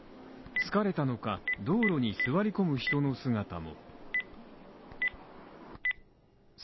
疲れたのか、道路に座り込む人の姿も。